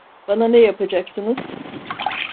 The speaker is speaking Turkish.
Bana ne yapacaksınız?